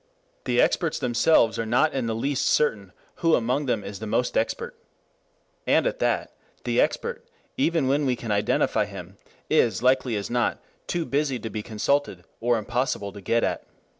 The experts themselves are not in the least certain who among them is the most expert. And at that, the expert, even when we can identify him, is, likely as not, too busy to be consulted, or impossible to get at.